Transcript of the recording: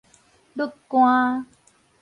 甪官